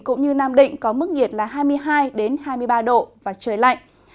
cũng như nam định có mức nhiệt là hai mươi hai hai mươi ba độ và trời lạnh